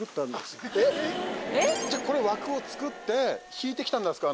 えっじゃこれ枠を作って引いてきたんですか